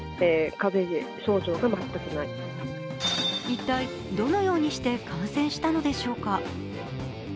一体どのようにして感染したのでしょうか。